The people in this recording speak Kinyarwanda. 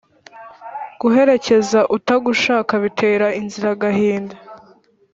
Guherekeza utagushaka bitera inzira agahinda.